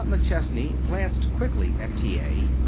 ] Emma McChesney glanced quickly at T. A.